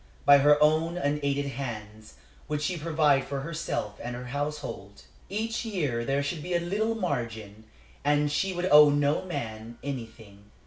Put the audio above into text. By her own unaided hands would she provide for herself and her household. Each year there should be a little margin, and she would owe no man anything.